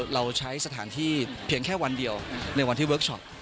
เราใช้สถานที่เพียงแค่วันเดียวในวันที่เวิร์คชอป